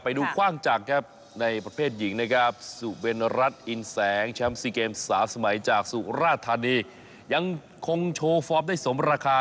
ไปดูกว้างจังครับในประเภทหญิงนะครับสุเบนรัฐอินแสงแชมป์ซีเกม๓สมัยจากสุราธานียังคงโชว์ฟอร์มได้สมราคา